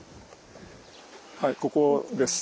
はいここです。